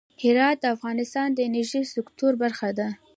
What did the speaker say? هرات د افغانستان د انرژۍ سکتور برخه ده.